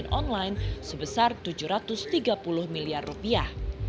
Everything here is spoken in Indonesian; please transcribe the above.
untuk saya menikah